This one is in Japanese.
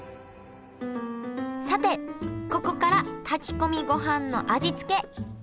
さてここから炊き込みごはんの味付け。